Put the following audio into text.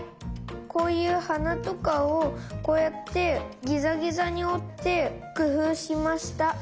こういうはなとかをこうやってギザギザにおってくふうしました。